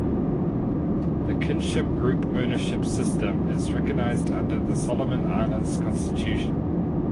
This kinship group ownership system is recognised under the Solomon Islands Constitution.